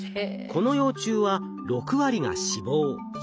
この幼虫は６割が脂肪。